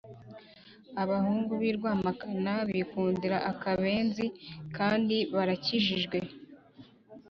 Abahungu bi rwamagana bikundira akabenzi kandi barakijijwe